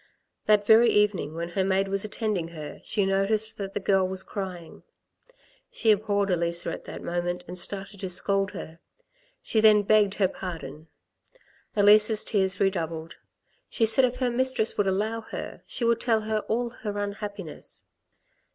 That very evening when her maid was attending her, she noticed that the girl was crying. She abhorred Elisa at that moment, and started to scold her ; she then begged her pardon. Elisa's tears redoubled. She said if her mistress would allow her, she would tell her all her unhappiness.